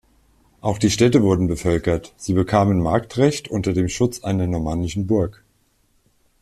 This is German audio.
Auch die Städte wurden bevölkert, sie bekamen Marktrecht unter dem Schutz einer normannischen Burg.